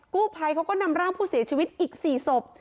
กู้ภัยเขาก็นำร่างผู้เสียชีวิตอีก๔ศพ